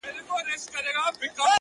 زه د شرابيانو قلندر تر ملا تړلى يم،